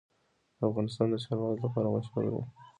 افغانستان د چار مغز لپاره مشهور دی.